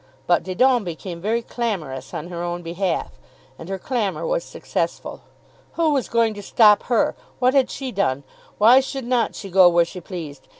But Didon became very clamorous on her own behalf, and her clamour was successful. "Who was going to stop her? What had she done? Why should not she go where she pleased?